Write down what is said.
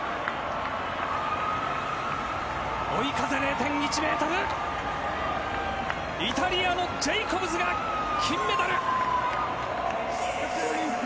追い風０．１ｍ、イタリアのジェイコブズが金メダル。